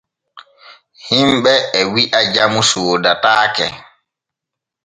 Himɓe e wi’a jamu soodataake.